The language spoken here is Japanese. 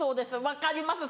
分かります。